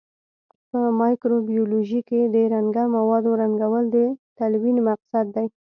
په مایکروبیولوژي کې د رنګه موادو رنګول د تلوین مقصد دی.